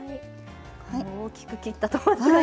大きく切ったトマトがね。